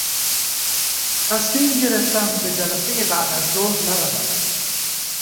تصمیم گرفتم به جلسهی بعدازظهر نروم.